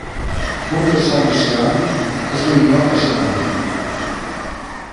Guk esan ezean, ez du inork esango.